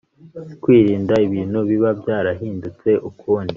kwirinda ibintu biba byarahindutse ukundi